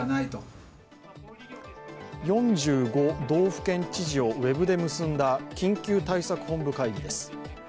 ４５道府県知事をウェブで結んだ緊急対策本部会議です。